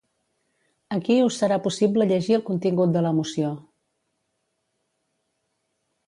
Aquí us serà possible llegir el contingut de la moció.